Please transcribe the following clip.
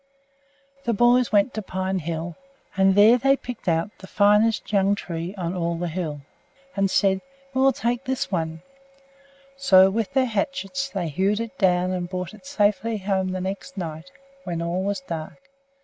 The boys went to Pine Hill, and there they picked out the finest young tree on all the hill, and said, "We will take this one." So, with their hatchets they hewed it down and brought it safely home the next night when all was dark.